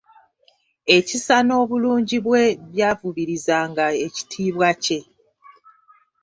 Ekisa n'obulungi bwe byavubirizanga ekitiibwa kye.